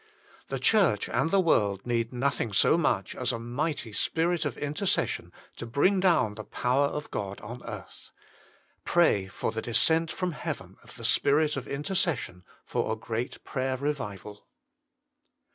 The Church and the world need nothing so much as a mighty Spirit of Intercession to bring down the power of God on earth. Pray for the descent from heaven of the Spirit of Intercession for a great prayer revival.